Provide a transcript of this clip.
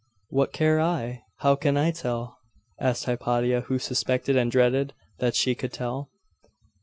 'What care I? How can I tell?' asked Hypatia, who suspected and dreaded that she could tell.